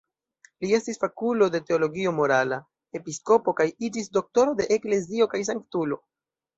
Li estis fakulo de teologio morala, episkopo kaj iĝis Doktoro de eklezio kaj sanktulo.